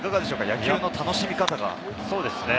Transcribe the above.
野球の楽しみ方が。